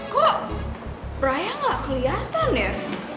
kok raya gak kelihatan ya